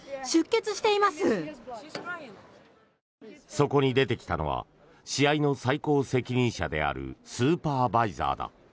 そこに出てきたのは試合の最高責任者であるスーパーバイザーだ。